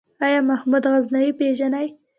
آيا محمود غزنوي پېژنې ؟